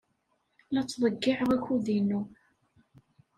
La ttḍeyyiɛeɣ akud-inu.